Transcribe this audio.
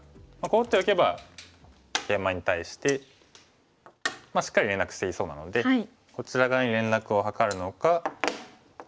こう打っておけばケイマに対してしっかり連絡していそうなのでこちら側に連絡を図るのか。